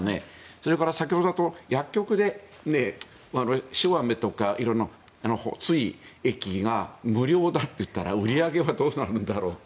それから先ほどだと薬局で塩アメとか色んな補水液が無料だといったら売り上げはどうなるんだろうと。